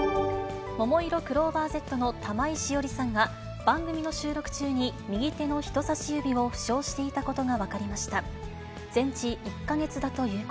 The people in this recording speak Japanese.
ももいろクローバーＺの玉井詩織さんが、番組の収録中に右手の人さし指を負傷していたことが分かりました。